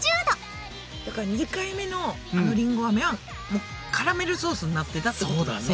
だから２回目のあのりんごアメはカラメルソースになってたってことだね。